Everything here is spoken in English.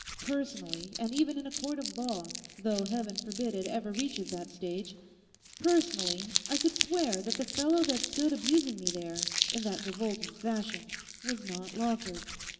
Personally, and even in a court of law—though Heaven forbid it ever reaches that stage—personally, I could swear that the fellow that stood abusing me there, in that revolting fashion, was not Lawford.